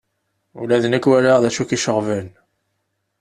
Ula d nekk walaɣ d acu i k-iceɣben.